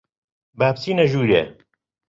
با بچینە ژوورێ.